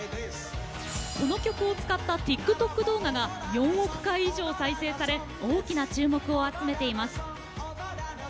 この曲を使ったＴｉｋＴｏｋ動画が４億回以上、再生され大きな注目を集めています。